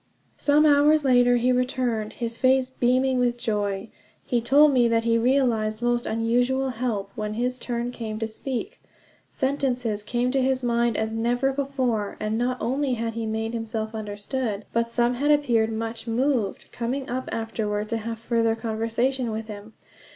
Some hours later he returned, his face beaming with joy. He told me that he realized most unusual help when his turn came to speak; sentences came to his mind as never before; and not only had he made himself understood, but some had appeared much moved, coming up afterward to have further conversation with him.